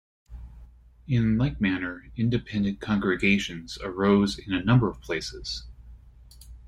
In like manner, independent congregations arose in a number of places.